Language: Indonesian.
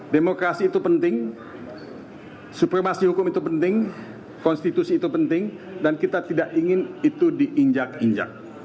demokrasi itu penting supremasi hukum itu penting konstitusi itu penting dan kita tidak ingin itu diinjak injak